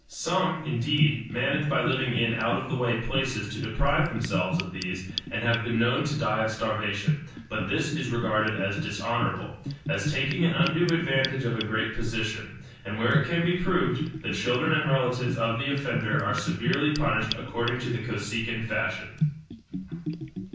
Some, indeed, manage by living in out of the way places to deprive themselves of these, and have been known to die of starvation; but this is regarded as dishonorable, as taking an undue advantage of a great position, and where it can be proved, the children and relatives of the offender are severely punished according to the Kosekin fashion.